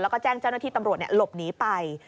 แล้วก็แจ้งเจ้าหน้าที่ตำรวจหลบหนีไป